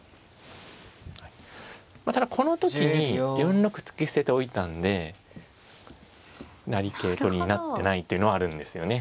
まあただこの時に４六突き捨てておいたんで成桂取りになってないというのはあるんですよね。